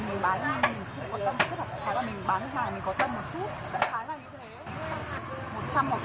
một trăm linh một trăm hai mươi một cân thì hợp với tôi